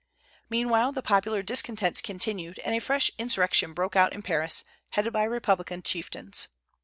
Meanwhile the popular discontents continued, and a fresh insurrection broke out in Paris, headed by Republican chieftains.